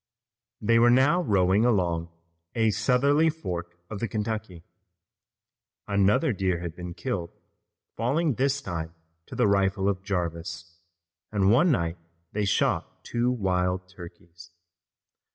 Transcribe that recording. They were now rowing along a southerly fork of the Kentucky. Another deer had been killed, falling this time to the rifle of Jarvis, and one night they shot two wild turkeys.